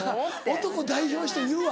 男代表して言うわ！